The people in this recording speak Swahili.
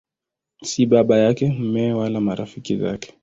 Si baba yake, mumewe wala marafiki zake.